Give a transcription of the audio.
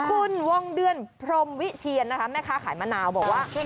คุณวงเดือนพรมวิเชียนนะคะแม่ค้าขายมะนาวบอกว่า